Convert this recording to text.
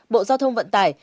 bộ giao thông vận tải